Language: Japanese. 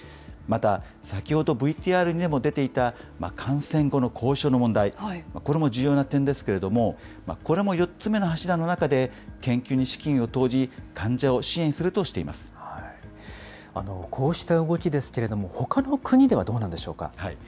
また、先ほどＶＴＲにも出ていた感染後の後遺症の問題、これも重要な点ですけれども、これも４つ目の柱の中で、研究に資金を投じ、こうした動きですけれども、ほかの国ではどうなんでしょうか。